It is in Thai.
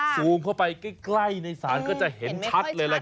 สูงเข้าไปใกล้ในสารก็จะเห็นชัดเลยแหละครับ